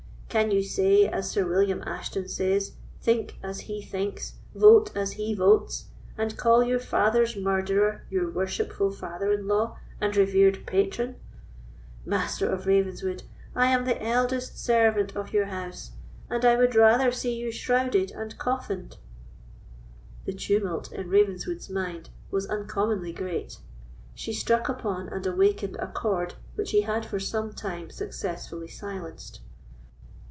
Can you say as Sir William Ashton says, think as he thinks, vote as he votes, and call your father's murderer your worshipful father in law and revered patron? Master of Ravenswood, I am the eldest servant of your house, and I would rather see you shrouded and coffined!" The tumult in Ravenswood's mind was uncommonly great; she struck upon and awakened a chord which he had for some time successfully silenced.